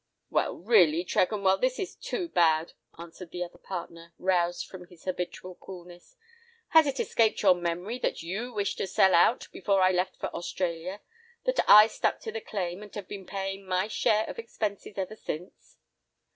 "Well, really, Tregonwell, this is too bad," answered the other partner, roused from his habitual coolness. "Has it escaped your memory that you wished to sell out before I left for Australia, that I stuck to the claim, and have been paying my share of expenses ever since?"